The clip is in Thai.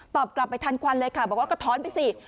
กลับไปทันควันเลยค่ะบอกว่าก็ท้อนไปสิ